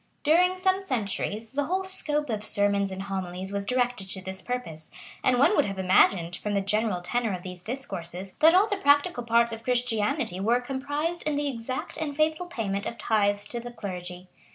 During some centuries, the whole scope of sermons and homilies was directed to this purpose; and one would have imagined, from the general tenor of these discourses, that all the practical parts of Christianity were comprised in the exact and faithful payment of tithes to the clergy.